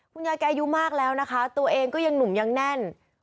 คุณยายแกอายุมากแล้วนะคะตัวเองก็ยังหนุ่มยังแน่น